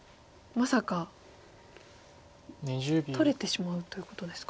まさか取れてしまうということですか？